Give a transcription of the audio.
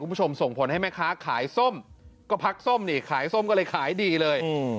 ส่งผลให้แม่ค้าขายส้มก็พักส้มนี่ขายส้มก็เลยขายดีเลยอืม